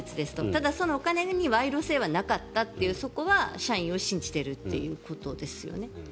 ただ、そのお金に賄賂性はなかったというそこは社員を信じているということですよね。